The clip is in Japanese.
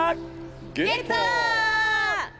ゲット！